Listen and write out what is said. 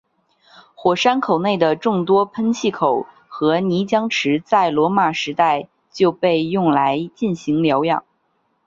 火山口内的众多喷气口和泥浆池在罗马时代就被用来进行疗养。